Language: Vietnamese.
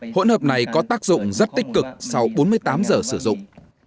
hỗn hợp này có tác dụng rất tích cực sau bốn mươi tám giờ sử dụng